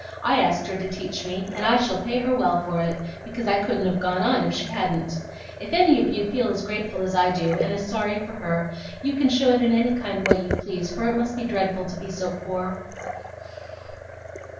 I asked her to teach me, and I shall pay her well for it, because I couldn't have gone on if she hadn't. If any of you feel as grateful as I do, and as sorry for her, you can show it in any kind way you please, for it must be dreadful to be so poor."